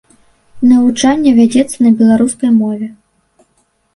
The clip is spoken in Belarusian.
Навучанне вядзецца на беларускай мове.